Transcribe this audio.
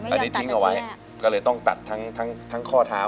อันนี้ทิ้งเอาไว้ก็เลยต้องตัดทั้งข้อเท้า